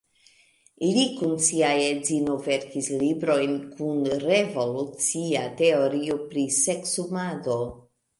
Li kun sia edzino verkis librojn kun revolucia teorio pri seksumado.